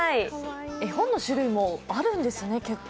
絵本の種類もあるんですね、結構。